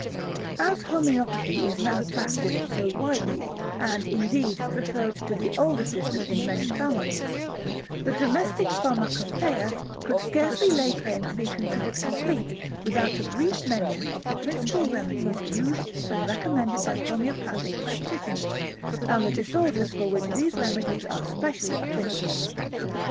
As homoeopathy is now practised so widely and, indeed, preferred to the older system in many families, the Domestic Pharmacopoeia could scarcely lay claim to be considered complete without a brief mention of the principal remedies used and recommended by homoeopathic practitioners, and the disorders for which these remedies are specially applicable.